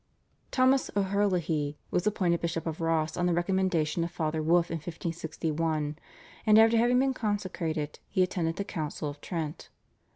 Thomas O'Herlihy was appointed Bishop of Ross on the recommendation of Father Wolf in 1561, and after having been consecrated he attended the Council of Trent.